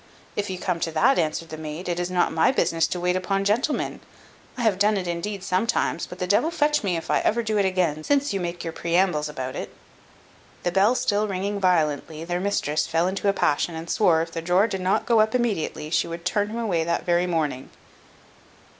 "If you come to that," answered the maid, "it is not my business to wait upon gentlemen. I have done it indeed sometimes; but the devil fetch me if ever I do again, since you make your preambles about it." The bell still ringing violently, their mistress fell into a passion, and swore, if the drawer did not go up immediately, she would turn him away that very morning.